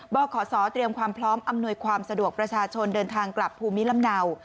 ขสเตรียมความพร้อมอำนวยความสะดวกประชาชนเดินทางกลับภูมิลำเนา